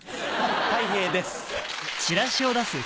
たい平です。